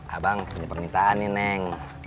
abang punya permintaan nih neng